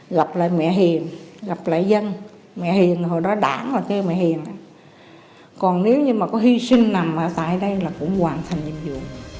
gặp lại mẹ hiền gặp lại dân nhập mẹ hiền hồi đó đảng kêu mẹ hiền còn nếu như có hi sinh nằm tại đây là cũng hoàn thành nhiệm vụ